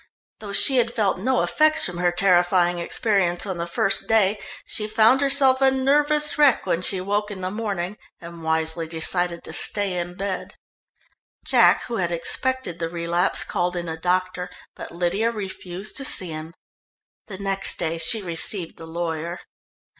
Though she had felt no effects from her terrifying experience on the first day, she found herself a nervous wreck when she woke in the morning, and wisely decided to stay in bed. Jack, who had expected the relapse, called in a doctor, but Lydia refused to see him. The next day she received the lawyer.